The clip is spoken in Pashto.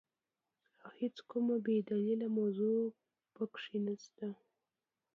او هيڅ کومه بي دليله موضوع په کي نسته،